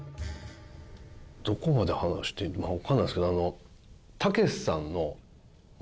どこまで話していいのかわかんないですけどあの。